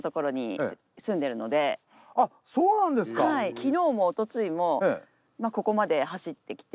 昨日もおとついもまあここまで走ってきて。